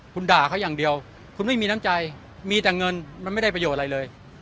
คุณด่าเขาอย่างเดียวคุณไม่มีน้ำใจมีแต่เงินมันไม่ได้ประโยชน์อะไรเลย